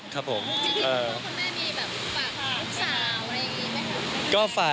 ที่จริงที่คุณพ่อคุณแม่มีฝากผู้สาวอะไรอีกไหมครับ